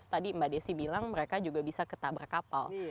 tadi mbak desy bilang mereka juga bisa ketabrak kapal